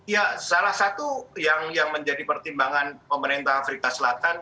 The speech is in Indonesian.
ya salah satu yang menjadi pertimbangan pemerintah afrika selatan